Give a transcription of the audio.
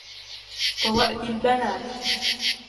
وَوَأْدِ الْبَنَاتِ